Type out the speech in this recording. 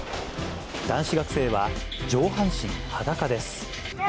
男子学生は、上半身裸です。